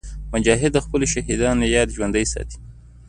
مجاهد د خپلو شهیدانو یاد ژوندي ساتي.